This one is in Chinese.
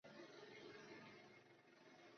胼足蝠属等之数种哺乳动物。